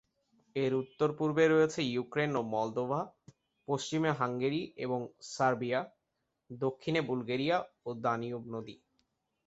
এর উত্তর-পূর্বে রয়েছে ইউক্রেন ও মলদোভা, পশ্চিমে হাঙ্গেরি এবং সার্বিয়া, দক্ষিণে বুলগেরিয়া ও দানিউব নদী।